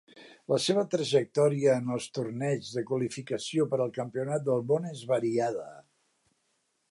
La seva trajectòria en els torneigs de qualificació per al campionat del món és variada.